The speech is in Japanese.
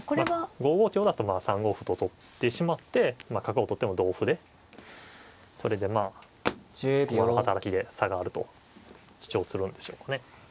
５五香だと３五歩と取ってしまって角を取っても同歩でそれでまあ駒の働きで差があると主張するんでしょうかね。